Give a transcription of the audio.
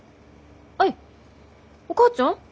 アイお母ちゃん？